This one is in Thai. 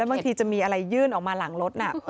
บางทีจะมีอะไรยื่นออกมาหลังรถน่ะ